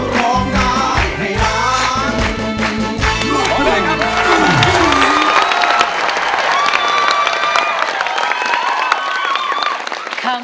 ร้องได้ครับ